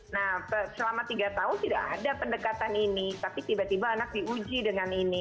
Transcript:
nah selama tiga tahun tidak ada pendekatan ini tapi tiba tiba anak diuji dengan ini